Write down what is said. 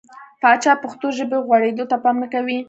پاچا پښتو ژبې غوړېدو ته پام نه کوي .